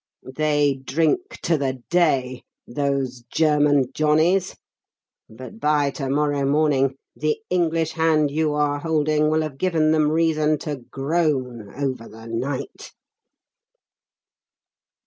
They drink 'To the day,' those German Johnnies, but by to morrow morning the English hand you are holding will have given them reason to groan over the night!"